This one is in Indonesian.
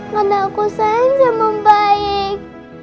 karena aku sayang sama om baik